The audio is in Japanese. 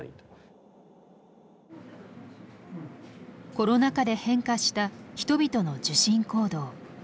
コロナ禍で変化した人々の受診行動。